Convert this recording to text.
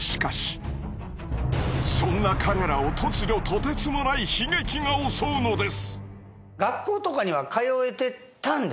そんな彼らを突如とてつもない悲劇が襲うのです。